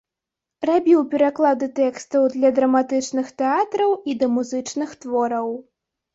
Рабіў пераклады тэкстаў для драматычных тэатраў і да музычных твораў.